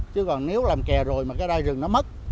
chứ còn nếu làm kè rồi mà cái đai rừng nó mất